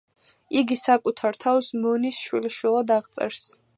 იგი საკუთარ თავს მონის შვილიშვილად აღწერს.